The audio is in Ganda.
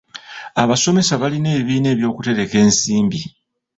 Abasomesa balina ebibiina eby'okutereka ensimbi.